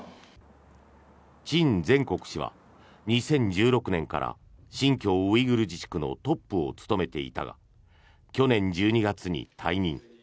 チン・ゼンコク氏は２０１６年から新疆ウイグル自治区のトップを務めていたが去年１２月に退任。